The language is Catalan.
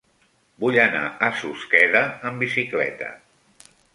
Vull anar a Susqueda amb bicicleta.